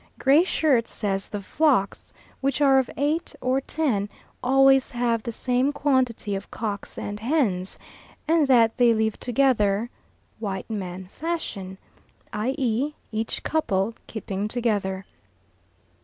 Gray Shirt says the flocks, which are of eight or ten, always have the same quantity of cocks and hens, and that they live together "white man fashion," i.e. each couple keeping together.